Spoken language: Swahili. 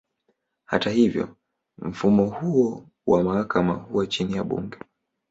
Hata hivyo, mfumo huo wa mahakama huwa chini ya bunge.